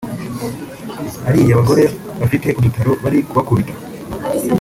ariya bagore bafite udutaro bari kubakubita